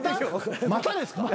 またですか？